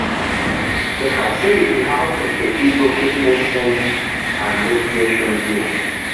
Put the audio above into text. The facility houses the Eagle Fitness Center and Recreation Gym.